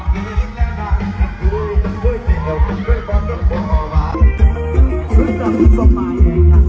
ภูมิใจจังแล้วเจอเมฆาะมนุษย์เศร้าสอง